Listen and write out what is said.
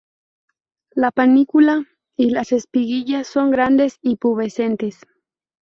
La panícula y las espiguillas son grandes y pubescentes.